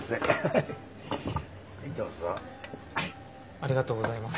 ありがとうございます。